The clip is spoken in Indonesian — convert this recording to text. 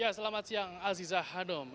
ya selamat siang aziza hanum